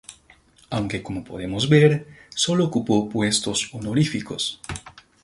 Aunque como podemos ver solo ocupó puestos honoríficos.